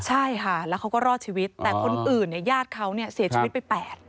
ใช่ค่ะแล้วเขาก็รอดชีวิตแต่คนอื่นเนี่ยญาติเขาเนี่ยเสียชีวิตไป๘